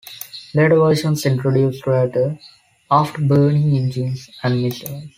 Later versions introduced radar, afterburning engines and missiles.